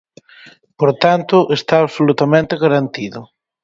Por tanto, está absolutamente garantido.